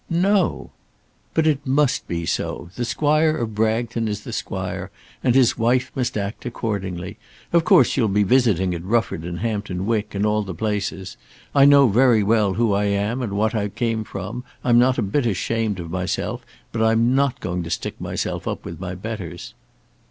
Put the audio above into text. "No!" "But it must be so. The Squire of Bragton is the Squire, and his wife must act accordingly. Of course you'll be visiting at Rufford and Hampton Wick, and all the places. I know very well who I am, and what I came from. I'm not a bit ashamed of myself, but I'm not going to stick myself up with my betters."